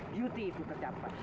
beauty itu terdapat